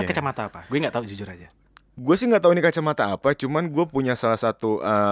kacamata apa gue nggak tahu jujur aja gue sih enggak tahu ini kacamata apa cuman gue punya salah satu